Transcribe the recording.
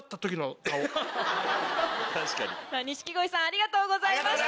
錦鯉さんありがとうございました。